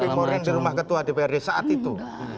di morning di rumah ketua dprd saat itu